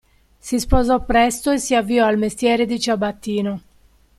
Si sposò presto e si avviò al mestiere di ciabattino.